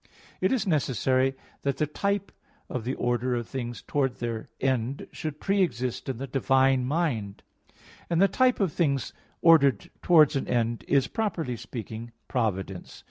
4), it is necessary that the type of the order of things towards their end should pre exist in the divine mind: and the type of things ordered towards an end is, properly speaking, providence.